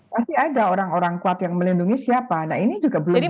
pasti ada orang orang kuat yang melindungi siapa nah ini juga belum